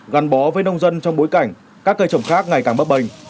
gắn bó với nông dân trong bối cảnh các cây trồng khác ngày càng bấp bềnh